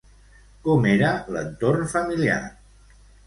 Com era l'entorn familiar?